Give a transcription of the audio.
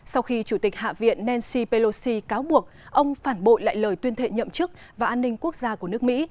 sau khi chủ tịch hạ viện nancy pelosi cáo buộc ông phản bội lại lời tuyên thệ nhậm chức và an ninh quốc gia của nước mỹ